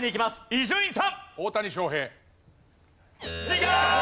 伊集院さん。